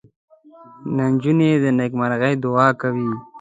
نجلۍ د نیکمرغۍ دعا کوي.